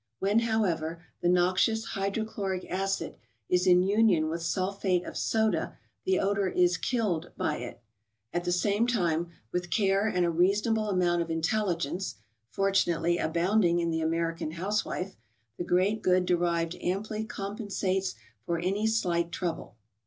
When, however, the noxious hydrochloric acid is in union with sulphate of soda, the odor is " killed " by it. At the same time with care and a reasonable amount of intelligence —fortunately abounding in the American housewife—the great good derived amply compensates for any slight trouble.